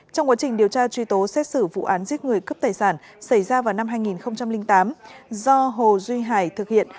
trong quá trình điều tra truy tố xét xử vụ án giết người cướp tài sản xảy ra vào năm hai nghìn tám do hồ duy hải thực hiện